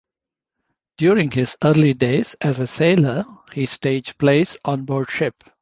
During his early days as a sailor, he staged plays onboard ship.